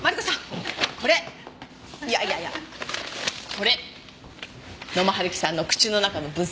これ野間春樹さんの口の中の分析結果。